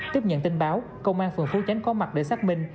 tiếp nhận tin báo công an phường phú chánh có mặt để xác minh